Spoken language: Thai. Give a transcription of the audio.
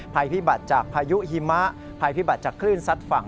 ภัยพิบัติจากพายุหิมะภัยพิบัติจากคลื่นซัดฝั่ง